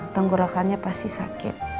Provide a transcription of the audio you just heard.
tenggorokannya pasti sakit